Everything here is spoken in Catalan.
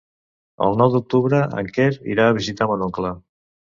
El nou d'octubre en Quer irà a visitar mon oncle.